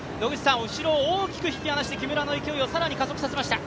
後ろを大きく引き離して木村の勢いを更に加速させました。